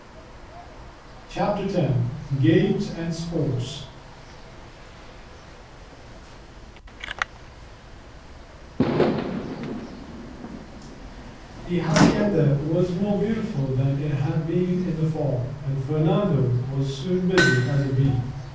CHAPTER X. GAMES AND SPORTS The hacienda was more beautiful than it had been in the fall, and Fernando was soon busy as a bee.